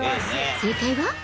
正解は。